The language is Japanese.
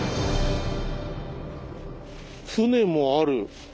船もある。